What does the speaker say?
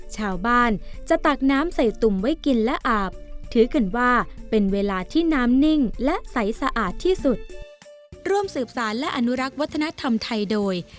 ชาวบ้านจะตักน้ำใส่ตุ่มไว้กินและอาบถือขึ้นว่าเป็นเวลาที่น้ำนิ่งและใสสะอาดที่สุด